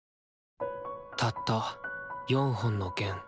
たった４本の弦。